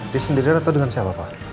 diri sendirian atau dengan siapa pak